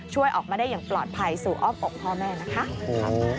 ช่วยออกมาได้อย่างปลอดภัยสู่อ้อมอกพ่อแม่นะคะ